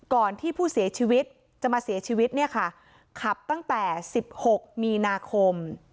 ก่อนที่ผู้เสียชีวิตจะมาเสียชีวิตเนี่ยค่ะขับตั้งแต่๑๖มีนาคม